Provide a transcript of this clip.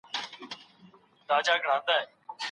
مور د خپل حکمت له لارې د کورنۍ د غړو بدګومانۍ له منځه وړي